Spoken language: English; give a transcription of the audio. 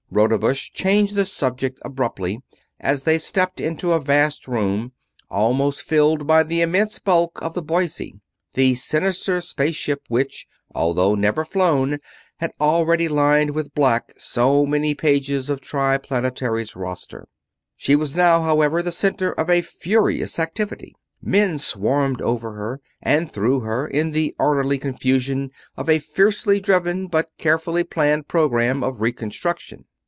Rodebush changed the subject abruptly as they stepped into a vast room, almost filled by the immense bulk of the Boise the sinister space ship which, although never flown, had already lined with black so many pages of Triplanetary's roster. She was now, however, the center of a furious activity. Men swarmed over her and through her, in the orderly confusion of a fiercely driven but carefully planned program of reconstruction.